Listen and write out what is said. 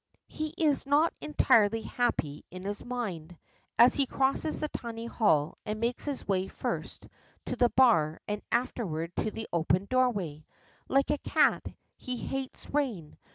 He is not entirely happy in his mind, as he crosses the tiny hall and makes his way first to the bar and afterward to the open doorway. Like a cat, he hates rain!